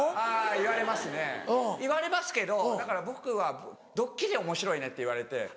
言われますね言われますけどだから僕は「ドッキリおもしろいね」って言われて。